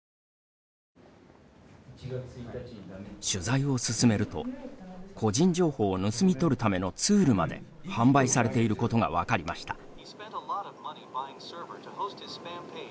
取材を進めると、個人情報を盗み取るためのツールまで販売されていることが分かりました。